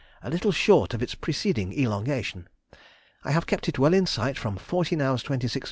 a little short of its preceding elongation. I have kept it well in sight from 14^h 26^m Sid.